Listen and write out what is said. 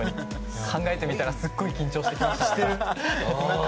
考えてみたらすっごい緊張してました。